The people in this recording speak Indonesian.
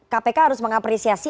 kpk harus mengapresiasi